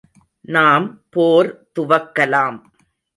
நாம் போர் துவக்கலாம்!.